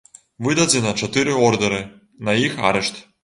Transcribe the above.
Выдадзена чатыры ордэры на іх арышт.